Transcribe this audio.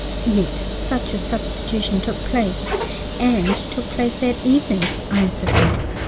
"Yet such a substitution took place, and took place that evening," I insisted.